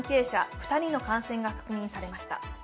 ２人の感染が確認されました。